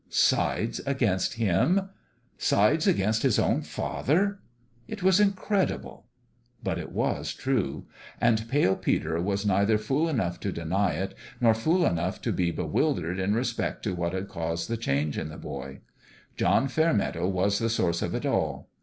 Sides against him ? Sides against FATHER AND SON 291 his own father ? It was incredible 1 But it was true ; and Pale Peter was neither fool enough to deny it, nor fool enough to be bewildered in respect to what had caused the change in the boy. John Fairmeadow was the source of it all.